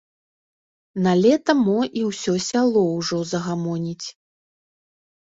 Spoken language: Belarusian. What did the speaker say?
Налета мо і ўсё сяло ўжо загамоніць.